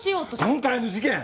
今回の事件！